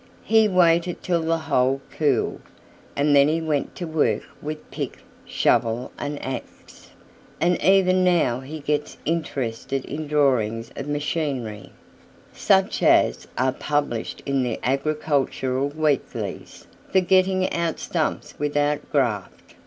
He waited till the hole cooled, and then he went to work with pick, shovel, and axe: and even now he gets interested in drawings of machinery, such as are published in the agricultural weeklies, for getting out stumps without graft.